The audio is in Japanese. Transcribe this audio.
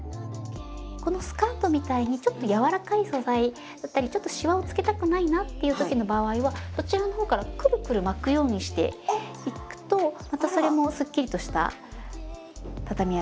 このスカートみたいにちょっと柔らかい素材だったりちょっとシワをつけたくないなっていうときの場合はそちらのほうからくるくる巻くようにしていくとまたそれもすっきりとしたたたみ上がりになります。